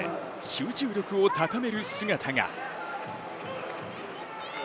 集中力を高める姿が。